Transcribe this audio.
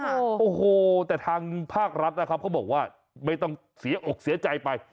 โอ้โหแต่ทางภาครัฐนะครับเขาบอกว่าไม่ต้องเสียอกเสียใจไป